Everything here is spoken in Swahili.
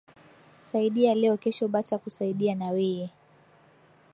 Saidia leo kesho bata kusaidia na weye